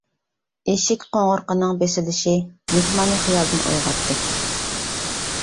ئىشىك قوڭغۇرىقىنىڭ بېسىلىشى مېھماننى خىيالدىن ئويغاتتى.